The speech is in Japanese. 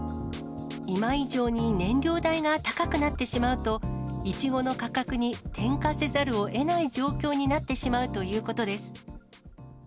今以上に燃料代が高くなってしまうと、いちごの価格に転嫁せざるをえない状況になってしまうということです。